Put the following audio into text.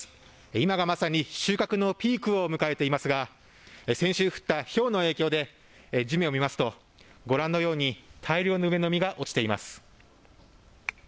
今がまさに収穫のピークを迎えていますが、先週、降ったひょうの影響で地面を見ますとご覧のように大量の梅の実が落ちています。